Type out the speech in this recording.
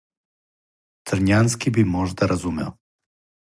Црњански би можда разумео.